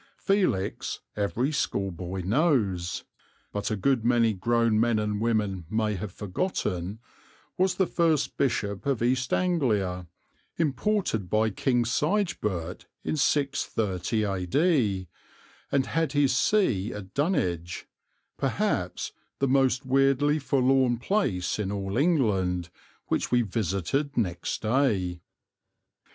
Felix, every schoolboy knows, but a good many grown men and women may have forgotten, was the first Bishop of East Anglia, imported by King Sigeberht in 630 A.D., and had his see at Dunwich, perhaps the most weirdly forlorn place in all England, which we visited next day.